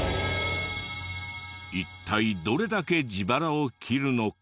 一体どれだけ自腹を切るのか。